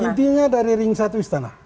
intinya dari ring satu istana